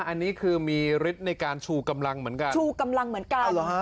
อันนี้คือมีฤทธิ์ในการชูกำลังเหมือนกันชูกำลังเหมือนกัน